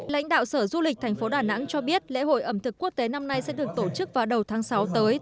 lãnh đạo sở du lịch thành phố đà nẵng cho biết lễ hội ẩm thực quốc tế năm nay sẽ được tổ chức vào đầu tháng sáu tới